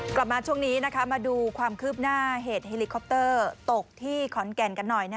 กลับมาช่วงนี้มาดูความคืบหน้าเหตุเฮลิคอปเตอร์ตกที่ขอนแก่นกันหน่อย